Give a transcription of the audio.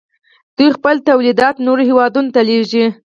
دوی خپل تولیدات نورو هیوادونو ته لیږي.